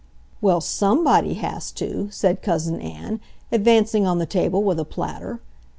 "Well, SOMEbody has to!" said Cousin Ann, advancing on the table with a platter.